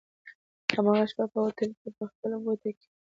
هماغه شپه په هوټل کي په خپله کوټه کي وو.